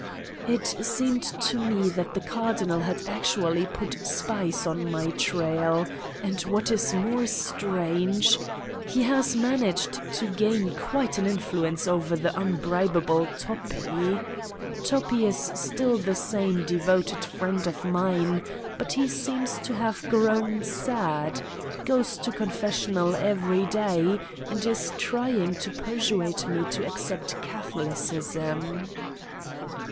It seemed to me that the Cardinal had actually put spies on my trail and what is more strange: he has man aged to gain quite an influence over the unbrib able Toppi. Toppi is still the same devoted friend of mine but he seems to have grown sad, goes to confessional every day and is trying to persuade me to accept Catholicism.